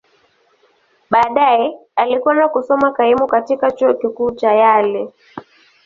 Baadaye, alikwenda kusoma kaimu katika Chuo Kikuu cha Yale.